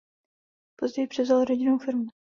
Později převzal rodinnou firmu.